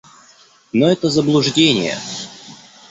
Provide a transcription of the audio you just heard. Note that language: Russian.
Но это заблуждение.